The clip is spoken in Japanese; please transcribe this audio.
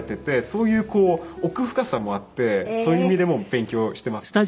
そういう奥深さもあってそういう意味でも勉強していますね。